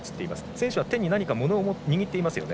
選手は手に何か物を握っていますよね。